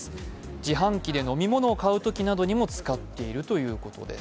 自販機で飲み物を買うときにも使っているということです。